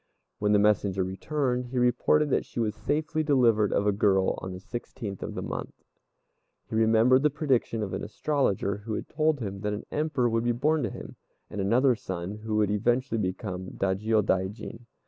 When the messenger returned, he reported that she was safely delivered of a girl on the sixteenth of the month. He remembered the prediction of an astrologer who had told him that an Emperor would be born to him, and another son who would eventually become a Dajiôdaijin.